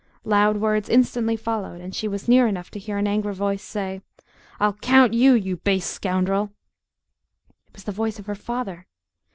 Loud words instantly followed, and she was near enough to hear an angry voice say "Ill count you, you base scoundrel!" It was the voice of her father!